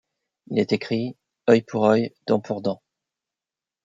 Il est écrit: « œil pour œil, dent pour dent.